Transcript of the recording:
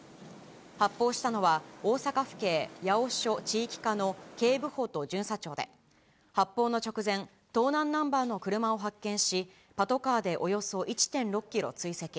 発砲したのは大阪府警八尾署地域課の警部補と巡査長で、発砲の直前、盗難ナンバーの車を発見し、パトカーでおよそ１．６キロ追跡。